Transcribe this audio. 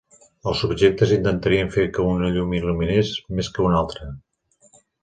Els subjectes intentarien fer que un llum il·luminés més que un altre.